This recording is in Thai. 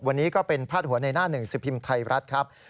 วันนี้ก็เป็นพาดหัวในหน้าหนึ่งสิบพิมพ์ไทยรัฐครับ